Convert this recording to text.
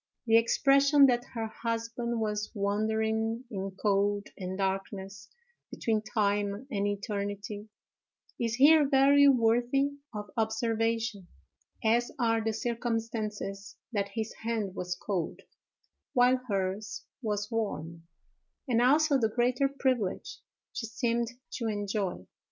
The expression that her husband was wandering in cold and darkness, between time and eternity, is here very worthy of observation, as are the circumstances that his hand was cold, while hers was warm; and also, the greater privilege she seemed to enjoy.